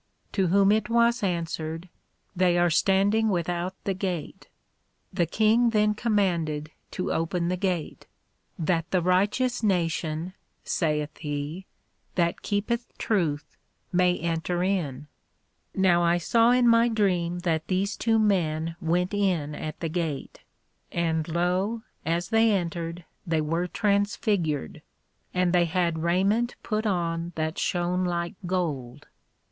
To whom it was answered, They are standing without the Gate. The King then commanded to open the Gate, That the righteous nation, saith he, that keepeth Truth may enter in. Now I saw in my Dream that these two men went in at the Gate: and lo, as they entered, they were transfigured, and they had Raiment put on that shone like Gold.